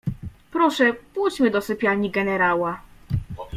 "Proszę, pójdźmy do sypialni generała."